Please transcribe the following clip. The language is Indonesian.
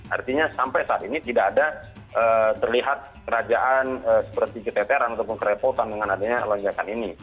artinya sampai saat ini tidak ada terlihat kerajaan seperti keteteran ataupun kerepotan dengan adanya lonjakan ini